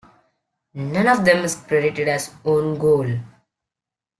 None of them is credited as own goal.